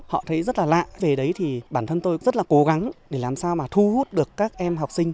họ thấy rất là lạ về đấy thì bản thân tôi rất là cố gắng để làm sao mà thu hút được các em học sinh